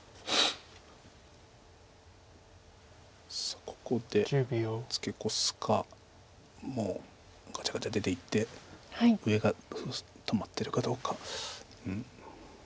さあここでツケコすかもうガチャガチャ出ていって上が止まってるどうか。